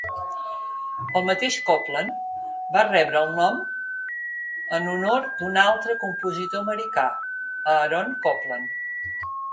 El mateix Copland va rebre el nom en honor d'un altre compositor americà, Aaron Copland.